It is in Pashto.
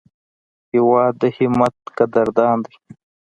هېواد د همت قدردان دی.